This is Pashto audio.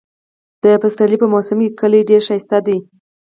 د پسرلي په موسم کې کلى ډېر ښايسته شي.